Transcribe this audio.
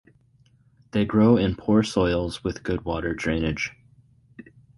They grow in poor soils with good water drainage.